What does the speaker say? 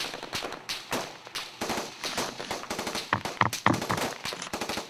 په لویه جرګه کي د اقلیتونو حقونه څنګه خوندي کېږي؟